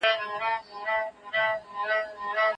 زه به سبا د هنرونو تمرين کوم وم.